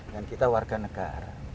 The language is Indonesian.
dan kita warga negara